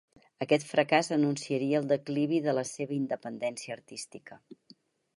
Aquest fracàs anunciaria el declivi de la seva independència artística.